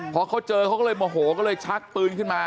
พอเขาเจอเขาก็เลยโมโหก็เลยชักปืนขึ้นมา